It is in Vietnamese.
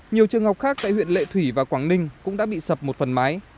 nhiều trường học khác tại huyện lệ thủy và quảng ninh cũng đã bị sập một phần mái